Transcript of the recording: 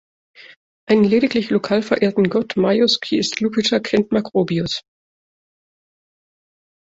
Einen lediglich lokal verehrten Gott „Maius, qui est Iuppiter“ kennt Macrobius.